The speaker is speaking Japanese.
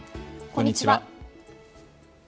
こんにちは。